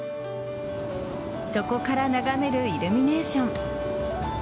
そこから眺めるイルミネーション。